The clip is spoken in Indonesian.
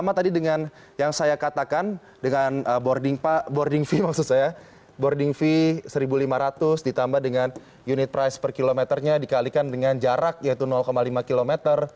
sama tadi dengan yang saya katakan dengan boarding fee maksud saya boarding fee rp satu lima ratus ditambah dengan unit price per kilometernya dikalikan dengan jarak yaitu lima km